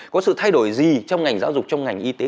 có sự thay đổi gì trong ngành giáo dục trong ngành y tế